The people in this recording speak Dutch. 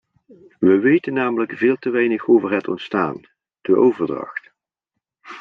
We weten namelijk veel te weinig over het ontstaan, de overdracht.